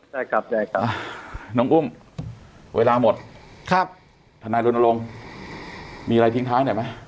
ใช่ครับได้ครับน้องอุ้มเวลาหมดครับทนายรณรงค์มีอะไรทิ้งท้ายหน่อยไหม